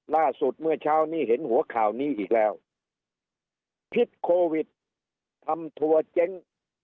เมื่อเช้านี้เห็นหัวข่าวนี้อีกแล้วพิษโควิดทำทัวร์เจ๊ง